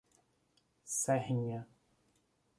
Serrinha